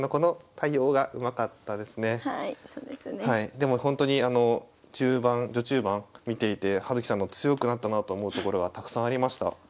でもほんとに中盤序中盤見ていて葉月さんの強くなったなと思うところはたくさんありました。